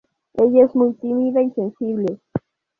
Ella es muy tímida y sensible.